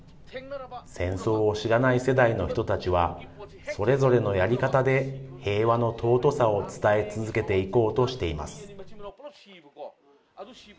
戦争を知らない世代の人たちは、それぞれのやり方で平和の尊さを伝え続けていこうとしています。